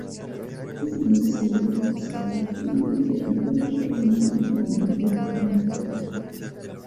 En la celda costal presenta una línea ligeramente anaranjada.